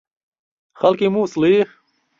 خەڵکی مووسڵی؟